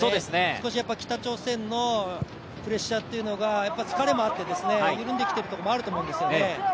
少し北朝鮮のプレッシャーというのが疲れもあって緩んできているところもあると思うんですね。